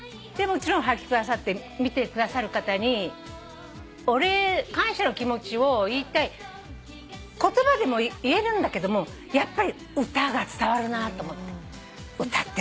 もちろんはがき下さって見てくださる方に感謝の気持ちを言いたい言葉でも言えるんだけどもやっぱり歌が伝わるなと思って。